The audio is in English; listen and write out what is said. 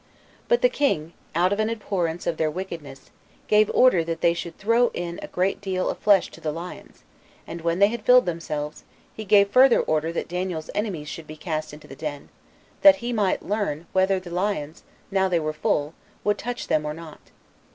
But the king, out of an abhorrence of their wickedness, gave order that they should throw in a great deal of flesh to the lions; and when they had filled themselves, he gave further order that Daniel's enemies should be cast into the den, that he might learn whether the lions, now they were full, would touch them or not.